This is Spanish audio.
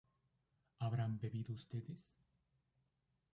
¿habrán bebido ustedes?